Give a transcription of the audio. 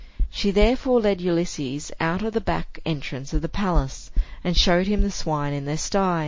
She therefore led Ulysses out of the back entrance of the palace, and showed him the swine in their sty.